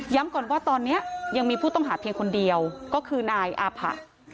ก่อนว่าตอนนี้ยังมีผู้ต้องหาเพียงคนเดียวก็คือนายอาผะ